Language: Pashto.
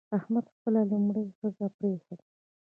احمد خپله لومړۍ ښځه پرېښوده.